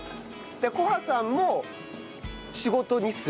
こはさんも仕事にする。